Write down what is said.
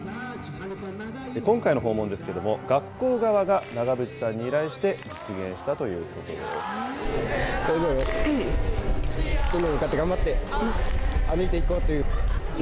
今回の訪問ですけれども、学校側が長渕さんに依頼して、実現したということです。ですね。